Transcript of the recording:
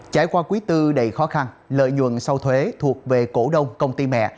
trải qua quý tư đầy khó khăn lợi nhuận sau thuế thuộc về cổ đông công ty mẹ